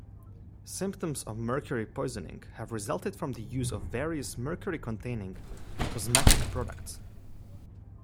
Symptoms of mercury poisoning have resulted from the use of various mercury-containing cosmetic products.